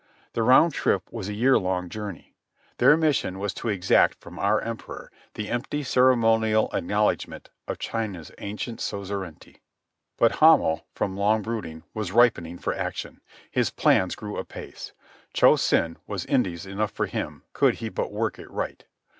The round trip was a year long journey. Their mission was to exact from our Emperor the empty ceremonial of acknowledgment of China's ancient suzerainty. But Hamel, from long brooding, was ripening for action. His plans grew apace. Cho Sen was Indies enough for him could he but work it right.